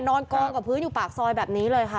นอนกองกับพื้นอยู่ปากซอยแบบนี้เลยค่ะ